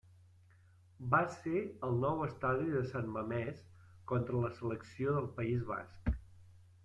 Va ser al nou estadi de San Mamés contra la selecció del País Basc.